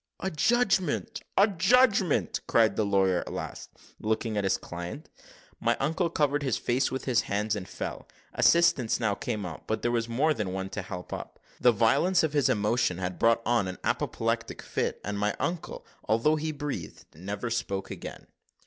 "A judgment! a judgment!" cried the lawyer at last, looking at his client. My uncle covered his face with his hands, and fell. Assistance now came out, but there was more than one to help up. The violence of his emotion had brought on an apoplectic fit, and my uncle, although he breathed, never spoke again.